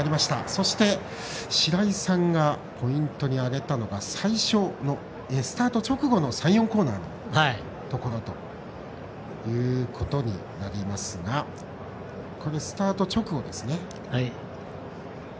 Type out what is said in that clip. そして、白井さんがポイントにあげたのが最初のスタート直後の３４コーナーのところということになりますがスタート直後ですね。